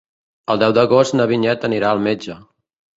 El deu d'agost na Vinyet anirà al metge.